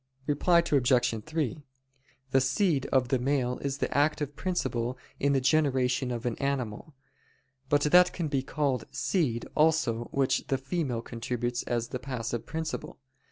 Reply Obj. 3: The seed of the male is the active principle in the generation of an animal. But that can be called seed also which the female contributes as the passive principle.